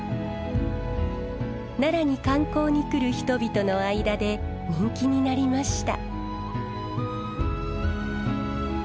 奈良に観光に来る人々の間で人気になりました。